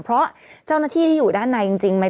เพราะเจ้าหน้าที่ที่อยู่ด้านในจริงไหม